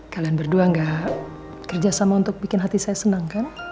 kalian berdua gak kerjasama untuk bikin hati saya senang kan